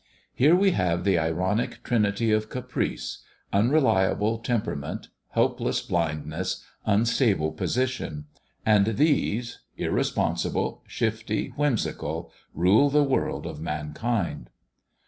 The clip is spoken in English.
Here we have the ironic Trinity of Caprice ; unreliable temperament, helpless blind ness, unstable position ; and these, irresponsible, shifty, whimsical, rule the world of mankind.